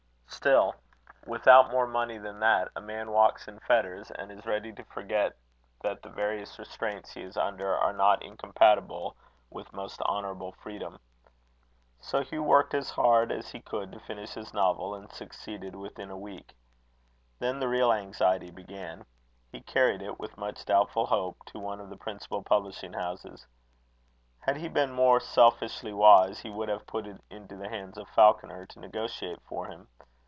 Still, without more money than that a man walks in fetters, and is ready to forget that the various restraints he is under are not incompatible with most honourable freedom. So Hugh worked as hard as he could to finish his novel, and succeeded within a week. Then the real anxiety began. He carried it, with much doubtful hope, to one of the principal publishing houses. Had he been more selfishly wise, he would have put it into the hands of Falconer to negotiate for him.